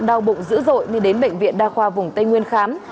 đau bụng dữ dội nên đến bệnh viện đa khoa vùng tây nguyên khám